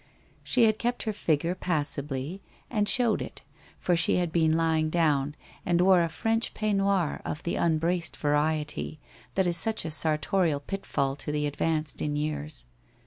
She had kept her figure passably, and showed it, for she had been lying down, and wore a French peignoir of the unbraced variety, that is such a sartorial pitfall to the advanced in years.